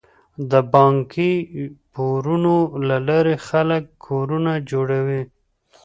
د بانکي پورونو له لارې خلک کورونه جوړوي.